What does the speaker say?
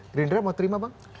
gerindra mau terima bang